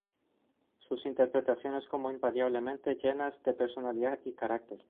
Sus interpretaciones, como "invariablemente llenas de personalidad y carácter".